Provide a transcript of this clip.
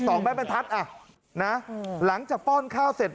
สองแม่บรรทัศน์อ่ะนะหลังจากป้อนข้าวเสร็จ